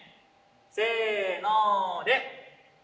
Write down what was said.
せので。